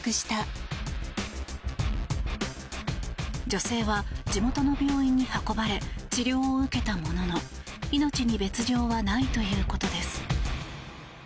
女性は地元の病院に運ばれ治療を受けたものの命に別条はないということです。